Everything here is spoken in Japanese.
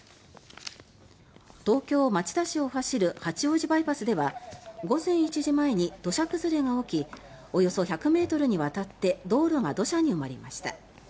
東京・町田市を走る八王子バイパスでは午前１時前に土砂崩れが起きおよそ１００ｍにわたって道路が土砂に埋まりました。